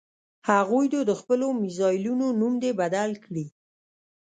هغوی دې د خپلو میزایلونو نوم دې بدل کړي.